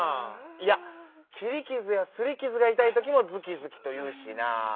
いやきりきずやすりきずがいたいときも「ずきずき」というしなぁ。